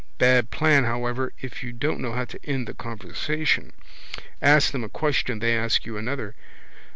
Bad plan however if you don't know how to end the conversation. Ask them a question they ask you another.